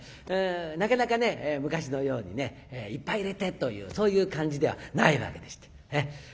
なかなか昔のようにいっぱい入れてというそういう感じではないわけでして。